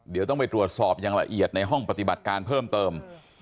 เดี๋ยวต้องไปตรวจสอบอย่างละเอียดในห้องปฏิบัติการเพิ่มเติม